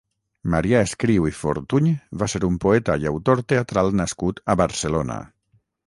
Marià Escriu i Fortuny va ser un poeta i autor teatral nascut a Barcelona.